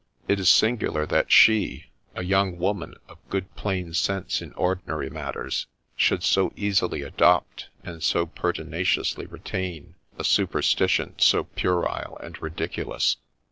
It is singular that she, a young woman of good plain sense in ordinary matters, should so easily adopt, and so pertinaciously retain, a supersti tion so puerile and ridiculous.